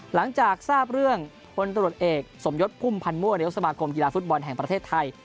หลังจากทราบเรื่องพลตรวจเอกสมยศพุ่มพันธ์มั่วนายกสมาคมกีฬาฟุตบอลแห่งประเทศไทย